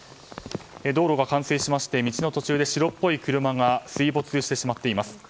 道路が冠水しまして道の途中で白っぽい車が水没してしまっています。